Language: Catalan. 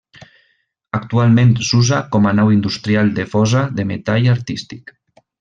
Actualment s'usa com a nau industrial de fosa de metall artístic.